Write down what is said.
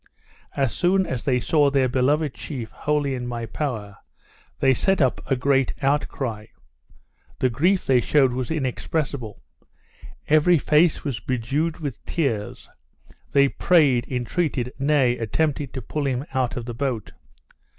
As soon as they saw their beloved chief wholly in my power, they set up a great outcry. The grief they shewed was inexpressible; every face was bedewed with tears; they prayed, entreated, nay, attempted to pull him out of the boat.